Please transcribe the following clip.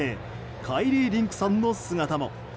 カイリー・リンクさんの姿も。